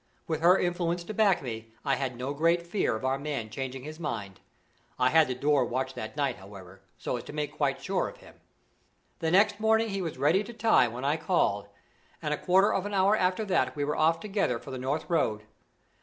With her influence to back me, I had no great fear of our man changing his mind. I had the door watched that night, however, so as to make quite sure of him. The next morning he was ready to time when I called, and a quarter of an hour after that we were off together for the north road.